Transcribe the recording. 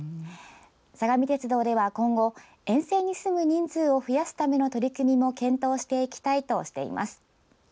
相模鉄道では、今後沿線に住む人数を増やすための取り組みも検討していきたいとしています。